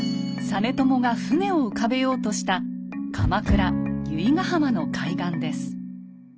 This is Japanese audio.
実朝が船を浮かべようとした鎌倉・由比ヶ浜の海岸です。